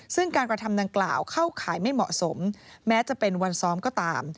ซึ่งการกระทำดังกล่าวเข้าข่ายไม่เหมาะสมแม้จะเป็นวันซ้อมก็ตาม